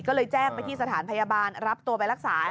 ก็เลยแจ้งไปที่สถานพยาบาลรับตัวไปรักษา